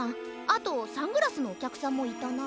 あとサングラスのおきゃくさんもいたな。